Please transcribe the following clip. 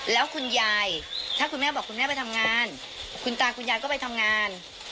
แล้วคุณยายถ้าคุณแม่บอกคุณแม่ไปทำงานคุณตาคุณยายก็ไปทำงาน